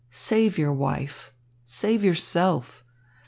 Save your wife. Save yourself.